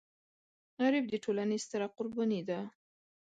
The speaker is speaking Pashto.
غریب د ټولنې ستره قرباني ده